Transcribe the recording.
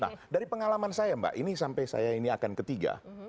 nah dari pengalaman saya mbak ini sampai saya ini akan ketiga